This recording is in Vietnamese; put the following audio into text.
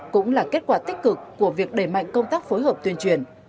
cũng là kết quả tích cực của việc đẩy mạnh công tác phối hợp tuyên truyền